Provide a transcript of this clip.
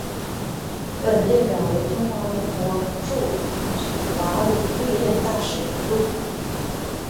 本列表为中华民国驻吐瓦鲁历任大使名录。